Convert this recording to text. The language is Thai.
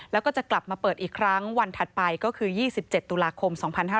แล้วก็จะกลับมาเปิดอีกครั้งวันถัดไปก็คือ๒๗ตุลาคม๒๕๕๙